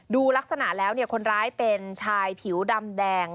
ดูลักษณะแล้วคนร้ายเป็นชายผิวดำแดง